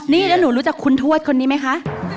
นี่แล้วหนูรู้จักคุณทวดคนนี้ไหมคะ